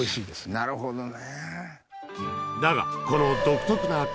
なるほどね！